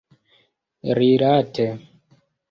rilate